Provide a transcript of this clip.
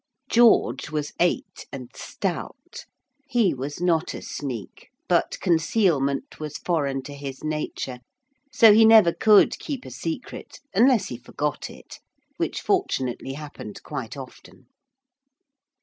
George was eight and stout. He was not a sneak, but concealment was foreign to his nature, so he never could keep a secret unless he forgot it. Which fortunately happened quite often.